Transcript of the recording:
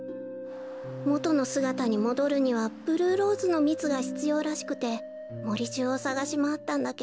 もとのすがたにもどるにはブルーローズのみつがひつようらしくてもりじゅうをさがしまわったんだけど。